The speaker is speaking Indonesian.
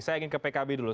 saya ingin ke pkb dulu